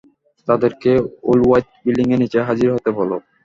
তাদেরকে উলওয়ার্থ বিল্ডিংয়ের নিচে হাজির হতে বলো।